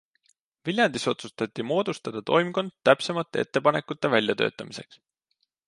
Viljandis otsustati moodustada toimkond täpsemate ettepanekute väljatöötamiseks.